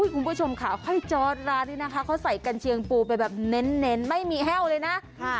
คุณผู้ชมค่ะค่อยจอร์ดร้านนี้นะคะเขาใส่กัญเชียงปูไปแบบเน้นไม่มีแห้วเลยนะ